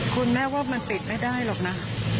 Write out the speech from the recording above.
คุณแม่ว่ามันปิดไม่ได้หรอกนะ